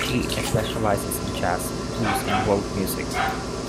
She specializes in jazz, blues, and world music.